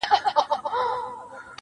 چي جانان مري دى روغ رمټ دی لېونى نـه دی.